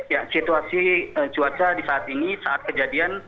ya situasi cuaca di saat ini saat kejadian